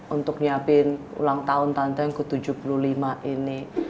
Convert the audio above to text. untuk nyiapin ulang tahun tantangan ke tujuh puluh lima ini